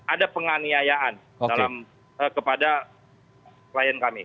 ada penganiayaan kepada klien kami